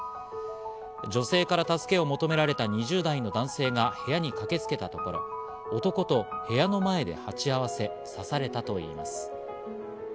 女性から助けを求められた２０代の男性が部屋に駆けつけたところ男と部屋の前で鉢合わせ、刺されたといいます。